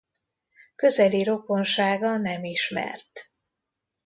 Közeli rokonsága nem ismert.